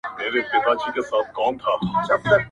حق لرم چي والوزم اسمان ته الوته لرم-